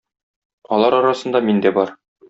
Алар арасында мин дә бар.